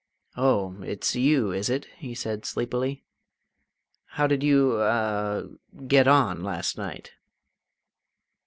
"Oh, it's you, is it?" he said sleepily. "How did you a get on last night?"